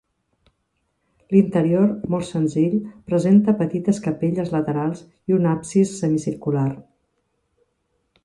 L'interior, molt senzill, presenta petites capelles laterals i un absis semicircular.